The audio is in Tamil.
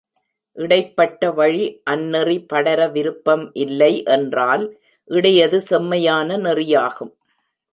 இடைப் பட்ட வழி அந்நெறி படர விருப்பம் இல்லை என்றால் இடையது செம்மையான நெறியாகும்.